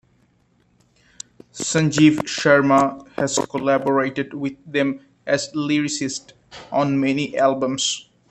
Sanjeev Sharma has collaborated with them as lyricist on many Albums.